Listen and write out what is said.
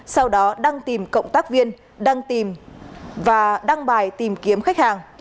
sau đó đăng tìm cộng tác viên đăng bài tìm kiếm khách hàng